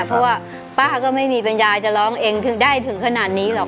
เพราะว่าป้าก็ไม่มีปัญญาจะร้องเองถึงได้ถึงขนาดนี้หรอก